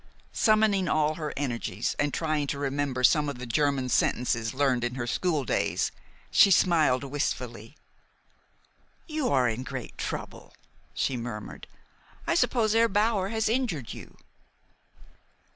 Summoning all her energies, and trying to remember some of the German sentences learned in her school days, she smiled wistfully. "You are in great trouble," she murmured. "I suppose Herr Bower has injured you?"